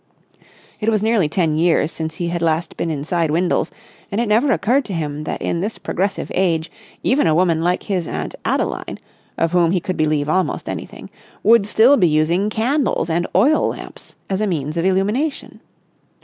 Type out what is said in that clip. It was nearly ten years since he had last been inside Windles, and it never occurred to him that in this progressive age even a woman like his Aunt Adeline, of whom he could believe almost anything, would still be using candles and oil lamps as a means of illumination.